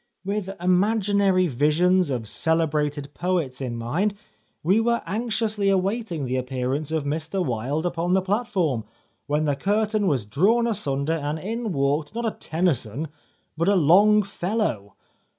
With imaginary visions of celebrated poets in mind we were anxiously awaiting the appearance of Mr Wilde upon the plat form, when the curtain was drawn asunder, and in walked not a Tennyson, but a Long fellow.